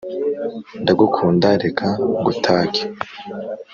Ndagukunda reka ngutake